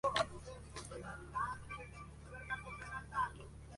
A partir de ese momento se abrieron las puertas de los teatros y radios.